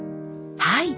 はい。